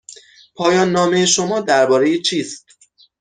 پایان نامه شما درباره چیست؟